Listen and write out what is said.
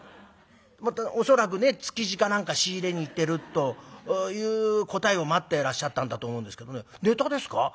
恐らくね築地か何か仕入れに行ってるという答えを待ってらっしゃったんだと思うんですけどね「ネタですか？